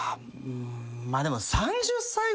まあでも。